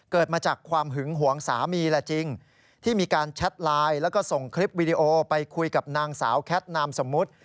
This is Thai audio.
เกิดมาจากความหึงหวงสามีแหละจริงที่มีการแชทไลน์แล้วก็ส่งคลิปวิดีโอไปคุยกับนางสาวแคทนามสมมุติ